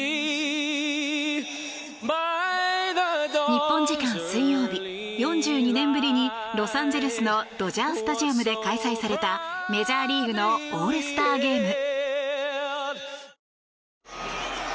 日本時間水曜日、４２年ぶりにロサンゼルスのドジャースタジアムで開催されたメジャーリーグのオールスターゲーム。